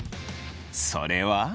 それは。